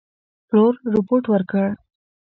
پلور رپوټ ورکړ.